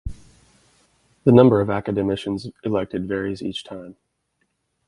The number of academicians elected varies each time.